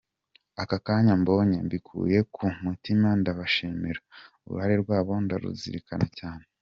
Aka kanya mbonye , mbikuye ku mutima ndabashimira ,uruhare rwabo ndaruzirikana cyane.